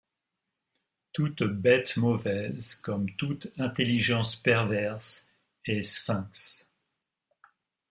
Toute bête mauvaise, comme toute intelligence perverse, est sphinx.